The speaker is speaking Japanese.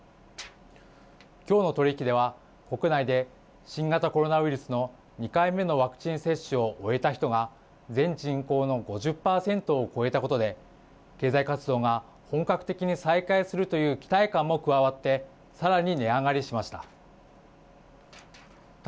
きょうの取り引きでは国内で新型コロナウイルスの２回目のワクチン接種を終えた人が全人口の５０％を超えたことで経済活動が本格的に再開するという期待感も加わってさらに値上がりしました。